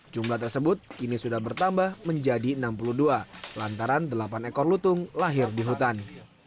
jumlah tersebut kini sudah bertambah menjadi enam puluh dua lantaran delapan ekor lutung lahir di hutan